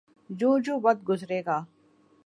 جوں جوں وقت گزرے گا۔